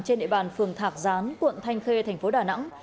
trên địa bàn phường thạc gián quận thanh khê thành phố đà nẵng